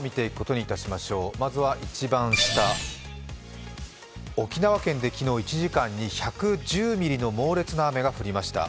まずは一番下、沖縄県で昨日１時間に１１０ミリの猛烈な雨が降りました。